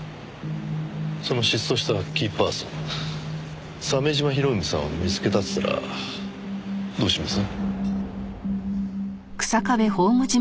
その失踪したキーパーソン鮫島博文さんを見つけたって言ったらどうします？